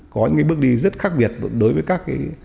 có những bước đi rất khác biệt đối với các cái